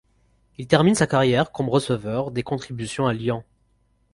Il termine sa carrière comme receveur des contributions à Lyon.